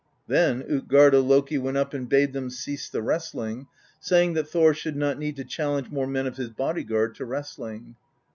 Then Utgarda Loki went up and bade them cease the wrestling, saying that Thor should not need to challenge more men of his body guard to wrest ling.